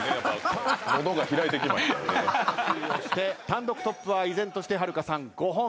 単独トップは依然としてはるかさん５本。